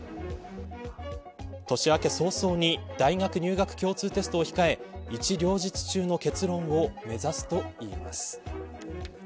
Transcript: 年明け早々に大学入学共通テストを控え一両日中の結論を目指すといいます。